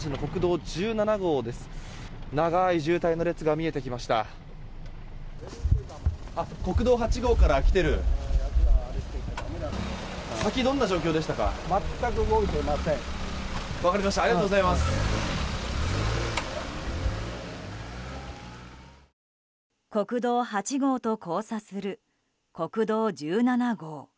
国道８号と交差する国道１７号。